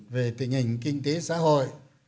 về tình hình kinh tế xã hội